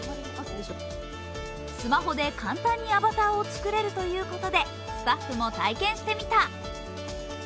スマホで簡単にアバターを作れるということで、スタッフも体験してみた。